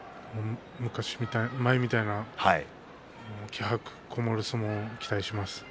昔、前みたいに気迫の相撲を期待します。